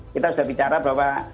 kita sudah bicara bahwa